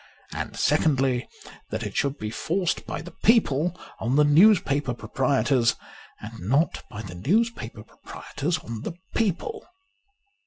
And secondly, that it should be forced by the people on the newspaper proprietors, and not by the newspaper proprietors on the people.